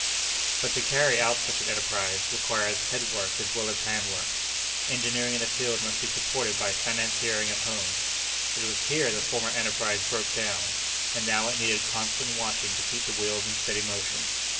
But to carry out such an enterprise, requires head work as well as hand work. Engineering in the field must be supported by financiering at home. It was here the former enterprise broke down, and now it needed constant watching to keep the wheels in steady motion.